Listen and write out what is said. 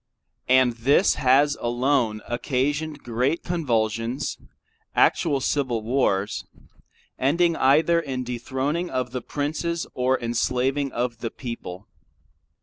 And this has alone occasioned great convulsions, actual civil wars, ending either in dethroning of the Princes, or enslaving of the people.